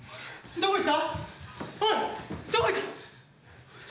どこ行った！？